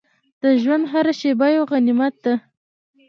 د ژوند هره شېبه یو غنیمت ده.